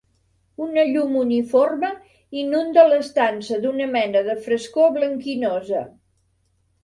Una llum uniforme inunda l'estança d'una mena de frescor blanquinosa.